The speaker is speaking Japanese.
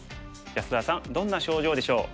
安田さんどんな症状でしょう？